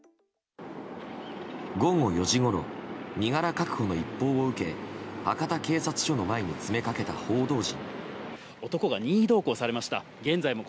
午後４時ごろ身柄確保の一報を受け博多警察署の前に詰め掛けた報道陣。